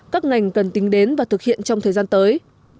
các ngành cần tính đến và thực hiện trong thời gian tới